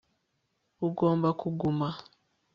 ugomba kuguma